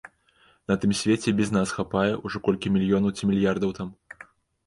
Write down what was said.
На тым свеце і без нас хапае, ужо колькі мільёнаў ці мільярдаў там.